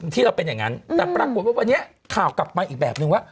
ที่เราเป็นอย่างนั้นแต่ปรากฏว่าวันนี้ข่าวกลับมาอีกแบบนึงว่า